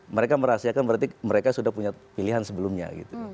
mereka merahasiakan berarti mereka sudah punya pilihan sebelumnya gitu